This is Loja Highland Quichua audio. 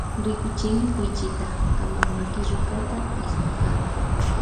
Rikuchinki kuychita kampa maki rukata ismunkami.